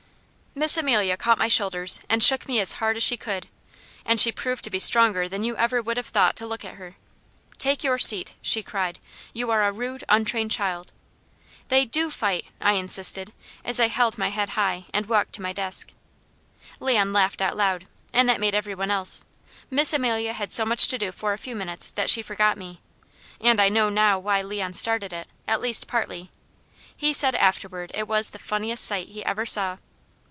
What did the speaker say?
Miss Amelia caught my shoulders and shook me as hard as she could; and she proved to be stronger than you ever would have thought to look at her. "Take your seat!" she cried. "You are a rude, untrained child!" "They do fight!" I insisted, as I held my head high and walked to my desk. Leon laughed out loud, and that made everyone else. Miss Amelia had so much to do for a few minutes that she forgot me, and I know now why Leon started it, at least partly. He said afterward it was the funniest sight he ever saw.